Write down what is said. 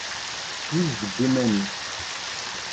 Sewjed iman-ik!